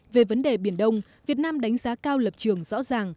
về vấn đề biển đông việt nam đánh giá cao lập trường rõ ràng